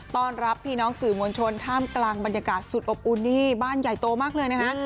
ต้อนรับพี่น้องสื่อมวลชนท่ามกลางบรรยากาศสุดอบอุ่นนี่บ้านใหญ่โตมากเลยนะฮะ